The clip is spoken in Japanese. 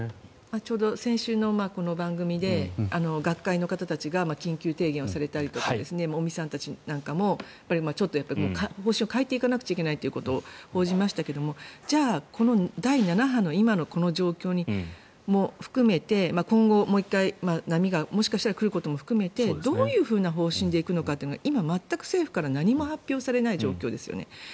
ちょうど先週、この番組で学会の方たちが緊急提言をされたりとか尾身さんたちとかも方針を変えていかなくちゃいけないということを報じましたがじゃあ、この第７波の今のこの状況を含めて今後、もう１回波がもしかしたら来るかもしれないことを含めてどういう方針で行くかが今全く政府から何も発表されない状況ですよね。